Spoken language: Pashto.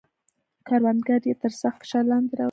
کروندګر یې تر سخت فشار لاندې راوستل.